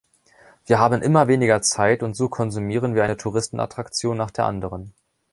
Wir haben immer weniger Zeit, und so konsumieren wir eine Touristenattraktion nach der anderen.